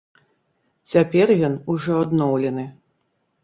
Цяпер ён ужо адноўлены.